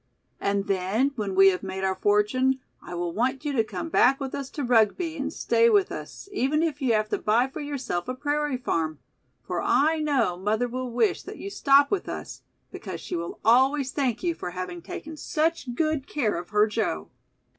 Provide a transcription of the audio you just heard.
And then, when we have made our fortune, I will want you to come back with us to Rugby and stay with us, even if you have to buy for yourself a prairie farm, for I know mother will wish that you stop with us, because she will always thank you for having taken such good care of her Joe."